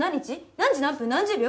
何時何分何十秒？